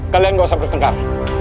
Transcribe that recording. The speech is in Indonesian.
kalian tidak usah bertengkar